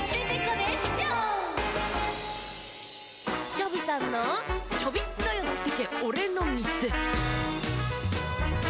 チョビさんの「チョビっとよってけおれのみせ」。